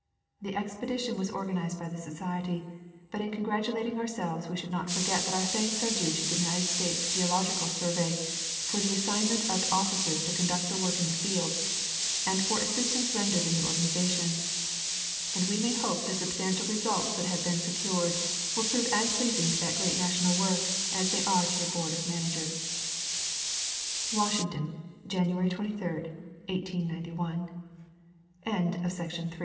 The expedition Avas organized by the Society, but in congratu lating ourseh^es Ave should not forget that our thanks are due to the United States Geological Survey for the assignment of officers to conduct the AVork in the field and for assistance rendered in the organization ; and we may hope the substantial results that haA^e been secured Avill prove as pleasing to that great national work as they are to your board of managers. Washington, January 23, 1891, Vol. Ill, pp.